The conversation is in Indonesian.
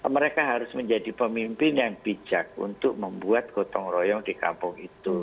mereka harus menjadi pemimpin yang bijak untuk membuat gotong royong di kampung itu